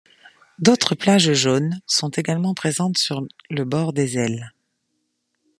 D'autres plages jaunes sont également présentes sur le bord des ailes.